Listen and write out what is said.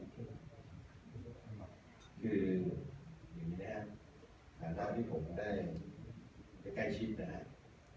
คืออย่างนี้นะฮะพันละที่ผมได้ไปใกล้ชิดนะฮะ